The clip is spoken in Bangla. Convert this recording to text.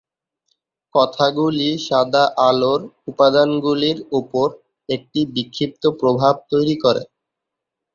কণাগুলি সাদা আলোর উপাদানগুলির উপর একটি বিক্ষিপ্ত প্রভাব তৈরি করে।